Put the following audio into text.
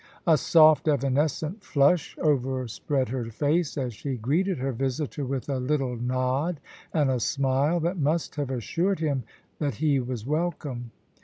A soft evanescent flush overspread her face as she greeted her visitor with a little nod and a smile that must have assured him that he was welcome.